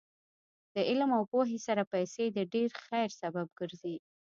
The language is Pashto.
د علم او پوهې سره پیسې د ډېر خیر سبب ګرځي.